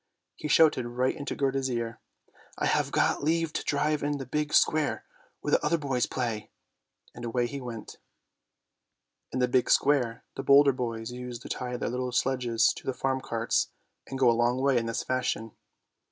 He shouted right into Gerda's ear, " I have got leave to drive in the big square where the other boys play! " and away he went. THE SNOW QUEEN 191 In the big square the bolder boys used to tie their little sledges to the farm carts and go a long way in this fashion.